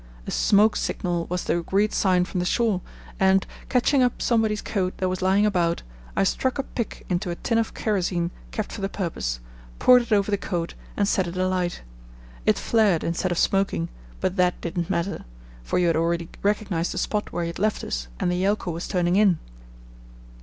A smoke signal was the agreed sign from the shore, and, catching up somebody's coat that was lying about, I struck a pick into a tin of kerosene kept for the purpose, poured it over the coat, and set it alight. It flared instead of smoking; but that didn't matter, for you had already recognized the spot where you had left us and the Yelcho was turning in."